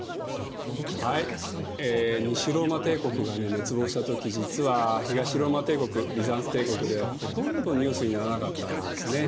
はい西ローマ帝国が滅亡した時実は東ローマ帝国ビザンツ帝国ではほとんどニュースにならなかったようですね。